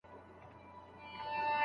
پرتله کول باید ناسم نه وي.